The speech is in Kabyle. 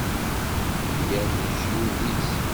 Flan leǧyub-is.